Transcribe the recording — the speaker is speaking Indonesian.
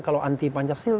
kalau anti pancasila